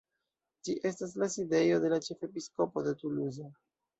Ĝi estas la sidejo de la Ĉefepiskopo de Tuluzo.